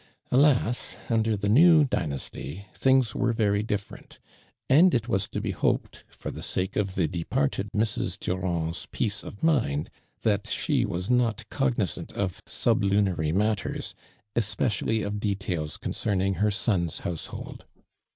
Alas ! under the new djTiasty, things were very diflf'erent, and it was to be hoped, i'or the sake of the de parted Mrs. Durand' s peace of mind, tliat she was not cognizant of sublunary matters, especially of details concerning her son's household.